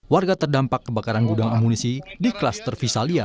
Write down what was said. warga terdampak kebakaran gudang amunisi di klaster visalia